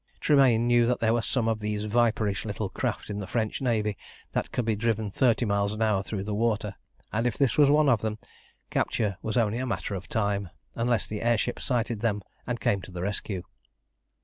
Tremayne knew that there were some of these viperish little craft in the French navy that could be driven thirty miles an hour through the water, and if this was one of them, capture was only a matter of time, unless the air ship sighted them and came to the rescue.